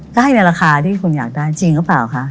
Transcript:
ก็ให้ในราคาที่คุณอยากได้จริงหรือเปล่าคะ